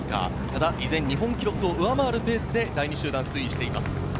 依然、日本記録を上回るペースで第２集団が推移しています。